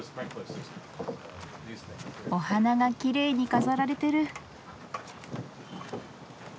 お花がきれいに飾られてる。